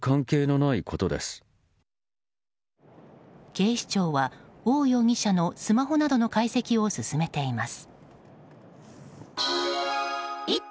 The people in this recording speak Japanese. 警視庁はオウ容疑者のスマホなどの解析を進めています。